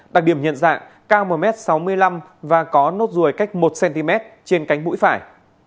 đặc điểm nhận dạng cao một m sáu mươi năm và có nốt ruồi cách một cm trên cánh mũi phải